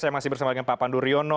saya masih bersama dengan pak pandu riono